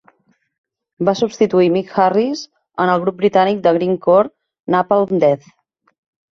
Va substituir Mick Harris en el grup britànic de grindcore Napalm Death.